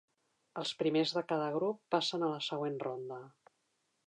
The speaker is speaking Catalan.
Els primers de cada grup passen a la següent ronda.